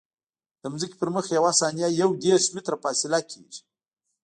د ځمکې پر مخ یوه ثانیه یو دېرش متره فاصله کیږي